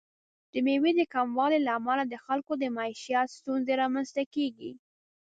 د میوې د کموالي له امله د خلکو د معیشت ستونزې رامنځته کیږي.